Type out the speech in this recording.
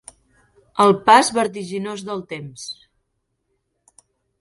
El pas vertiginós del temps.